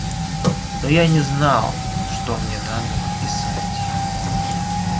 Но я не знал, что мне надо написать.